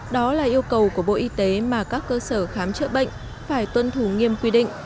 đó là yêu cầu của bộ y tế mà các cơ sở khám chữa bệnh phải tuân thủ nghiêm quy định